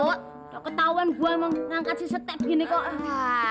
udah ketahuan gua emang ngangkat si setep gini kok